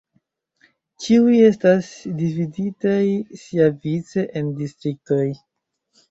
Ĉiuj estas dividataj siavice en distriktoj.